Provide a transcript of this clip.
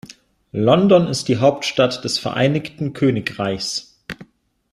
London ist die Hauptstadt des Vereinigten Königreichs.